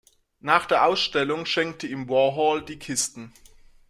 Nach der Ausstellung schenkte ihm Warhol die Kisten.